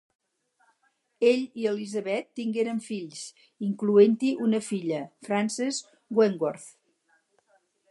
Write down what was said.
Ell i Elizabeth tingueren fills, incloent-hi una filla, Frances Wentworth.